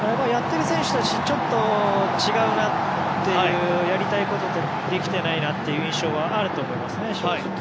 やっている選手はちょっと違うなっていうやりたいことをできていないなっていう印象はあると思いますね、正直。